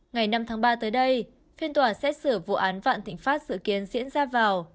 ngày năm tháng ba tới đây phiên tòa xét xử vụ án vạn thịnh pháp dự kiến diễn ra vào